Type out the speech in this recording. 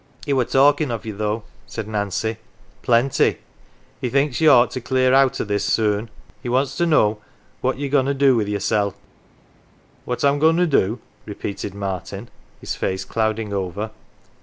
" He were talkin' of ye though," said Nancy. " Plenty. He thinks you ought to clear out o' this soon, and wants to know what ye're goin' to do with yoursel'." 97 G NANCY " What I'm goin' to do ?" repeated Martin, his face clouding over.